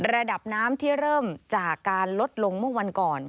ระดับน้ำที่เริ่มจากการลดลงเมื่อวันก่อน